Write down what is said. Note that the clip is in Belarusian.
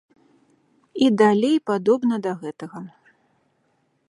І далей падобна да гэтага.